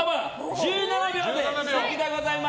１７秒でございます。